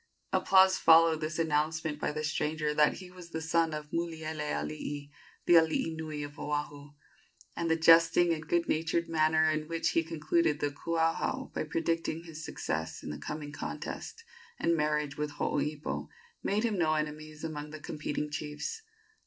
Applause followed this announcement by the stranger that he was the son of Mulielealii, the alii nui of Oahu, and the jesting and good natured manner in which he concluded the kuauhau by predicting his success in the coming contest, and marriage with Hooipo, made him no enemies among the competing chiefs.